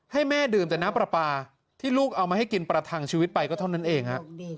ให้แม่ดื่มแต่น้ำปลาปลาที่ลูกเอามาให้กินประทังชีวิตไปก็เท่านั้นเองฮะ